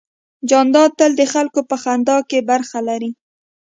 جانداد تل د خلکو په خندا کې برخه لري.